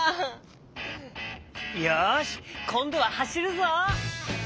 よしこんどははしるぞ！